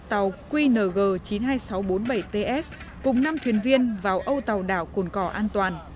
tàu qng chín mươi hai nghìn sáu trăm bốn mươi bảy ts cùng năm thuyền viên vào âu tàu đảo cồn cỏ an toàn